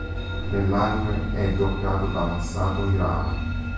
Nell'anime è doppiato da Masato Hirano.